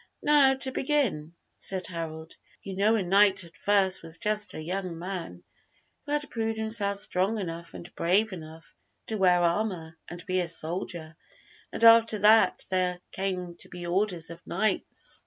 "Now to begin," said Harold, "you know a knight at first was just a young man who had proved himself strong enough and brave enough to wear armor and be a soldier, and after that there came to be orders of knights.